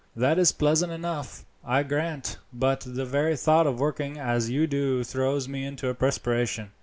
That is pleasant enough, I grant; but the very thought of working as you do throws me into a perspiration.